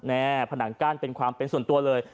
ผนังกั้นเป็นความเป็นส่วนตัวเลย